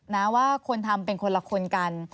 นะว่าคนทำเป็นคนละคนกัน